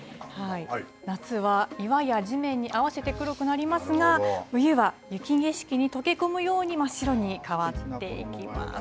夏は岩や地面に合わせて黒くなりますが、冬は雪景色に溶け込むように、真っ白に変わっていきます。